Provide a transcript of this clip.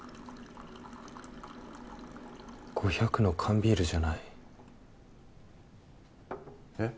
５００の缶ビールじゃない。